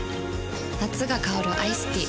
夏が香るアイスティー